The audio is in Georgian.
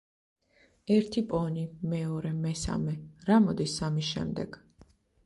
ერთი პონი, მეორე, მესამე; რა მოდის სამის შემდეგ?